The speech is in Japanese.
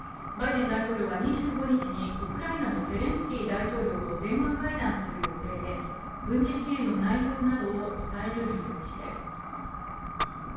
バイデン大統領は２５日にウクライナのゼレンスキー大統領と電話会談する予定で、軍事支援の内容などを伝える見通しです。